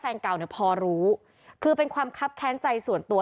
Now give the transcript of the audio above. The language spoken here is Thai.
แฟนเก่าเนี่ยพอรู้คือเป็นความคับแค้นใจส่วนตัว